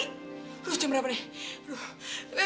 aduh siapa nih